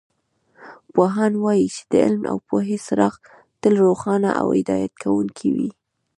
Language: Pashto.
پوهان وایي چې د علم او پوهې څراغ تل روښانه او هدایت کوونکې وي